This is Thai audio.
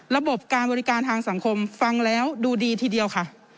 ระบบการบริการทางสังคมฟังแล้วดูดีทีเดียวค่ะ